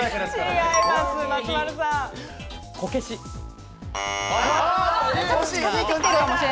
こけし。